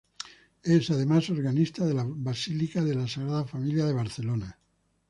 Es, además, organista de la Basílica de la Sagrada Familia de Barcelona.